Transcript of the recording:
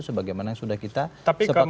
sebagaimana sudah kita sepakati